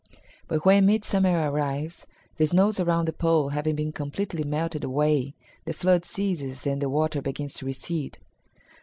"But when mid Summer arrives, the snows around the pole having been completely melted away, the flood ceases and the water begins to recede.